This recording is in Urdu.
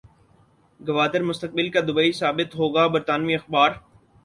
گوادر مستقبل کا دبئی ثابت ہوگا برطانوی اخبار